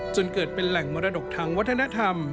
จนเกิดเป็นแหล่งมรดกทางวัฒนธรรม